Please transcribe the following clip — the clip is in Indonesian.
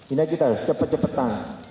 ini kita harus cepat cepatan